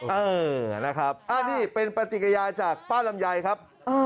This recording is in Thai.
เออนะครับนี่เป็นปฏิกิริยาจากป้าลำไยครับ